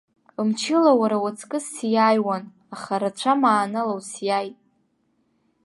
Мчыла уара уаҵкыс сиааиуан, аха рацәа маанала усиааит.